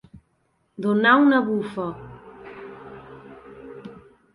Donar una bufa.